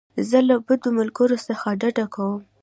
زه له بدو ملګرو څخه ډډه کوم.